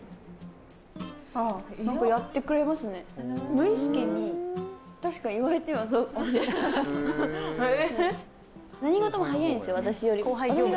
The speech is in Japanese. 無意識に、確かに言われてみればそうかもしれない。え？